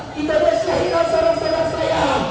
kita bereskahinan seorang saudara saya